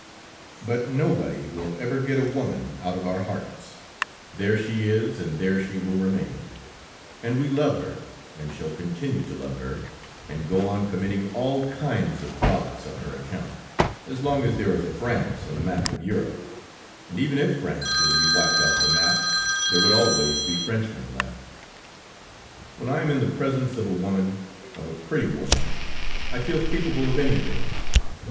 But nobody will ever get a woman out of our hearts; there she is, and there she will remain, and we love her, and shall continue to love her, and go on committing all kinds of frolics on her account, as long as there is a France on the map of Europe, and even if France were to be wiped off the map, there would always be Frenchmen left. "When I am in the presence of a woman, of a pretty woman, I feel capable of anything.